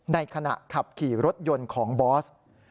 ในขณะขับขี่รถยนต์ของบอส